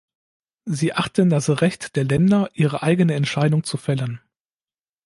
Sie achten das Recht der Länder, ihre eigene Entscheidung zu fällen.